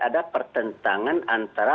ada pertentangan antara